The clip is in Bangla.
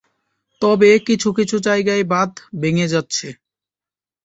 তবে, কিছু কিছু জায়গায় বাঁধ ভেঙ্গে যাচ্ছে।